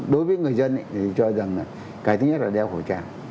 đối với người dân thì cho rằng là cái thứ nhất là đeo khẩu trang